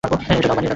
এটা দাও, বানি!